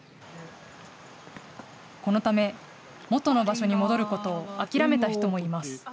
このため、元の場所に戻ることを諦めた人もいます。